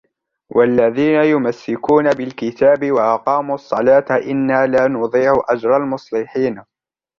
وَالَّذِينَ يُمَسِّكُونَ بِالْكِتَابِ وَأَقَامُوا الصَّلَاةَ إِنَّا لَا نُضِيعُ أَجْرَ الْمُصْلِحِينَ